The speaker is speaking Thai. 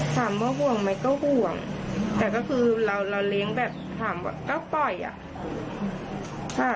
ถามว่าห่วงไหมก็ห่วงแต่ก็คือเราเราเลี้ยงแบบถามว่าก็ปล่อยอ่ะค่ะ